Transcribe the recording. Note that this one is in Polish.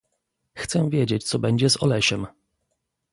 "Chcę wiedzieć co będzie z Olesiem!"